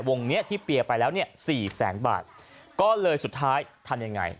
เนี้ยที่เปียร์ไปแล้วเนี่ยสี่แสนบาทก็เลยสุดท้ายทำยังไง